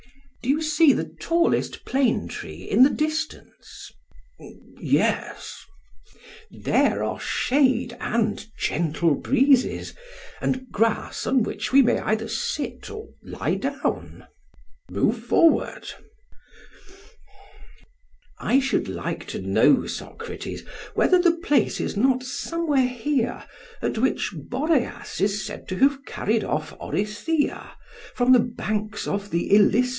PHAEDRUS: Do you see the tallest plane tree in the distance? SOCRATES: Yes. PHAEDRUS: There are shade and gentle breezes, and grass on which we may either sit or lie down. SOCRATES: Move forward. PHAEDRUS: I should like to know, Socrates, whether the place is not somewhere here at which Boreas is said to have carried off Orithyia from the banks of the Ilissus?